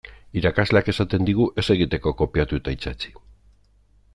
Irakasleak esaten digu ez egiteko kopiatu eta itsatsi.